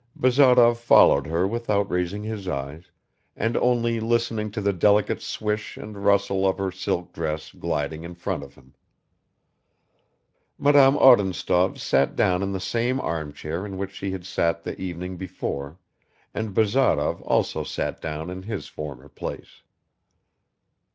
Bazarov followed her without raising his eyes, and only listening to the delicate swish and rustle of her silk dress gliding in front of him. Madame Odintsov sat down in the same armchair in which she had sat the evening before, and Bazarov also sat down in his former place.